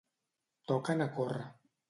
Toquen a córrer.